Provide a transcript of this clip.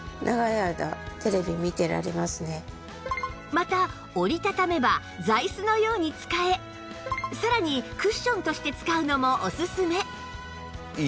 また折りたためば座椅子のように使えさらにクッションとして使うのもおすすめ